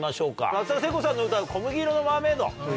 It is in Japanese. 松田聖子さんの歌う『小麦色のマーメイド』。